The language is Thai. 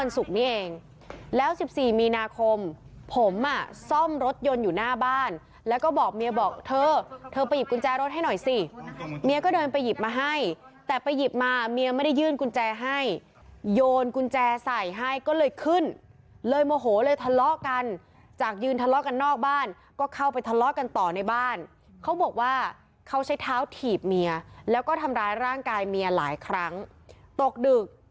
๑๔มีนาคมผมอ่ะซ่อมรถยนต์อยู่หน้าบ้านแล้วก็บอกเมียบอกเธอเธอไปหยิบกุญแจรถให้หน่อยสิเมียก็เดินไปหยิบมาให้แต่ไปหยิบมาเมียไม่ได้ยื่นกุญแจให้โยนกุญแจใส่ให้ก็เลยขึ้นเลยโมโหเลยทะเลาะกันจากยืนทะเลาะกันนอกบ้านก็เข้าไปทะเลาะกันต่อในบ้านเขาบอกว่าเขาใช้เท้าถีบเมียแล้วก็ทำร้ายร่างกายเมียหลายครั้งตกดึก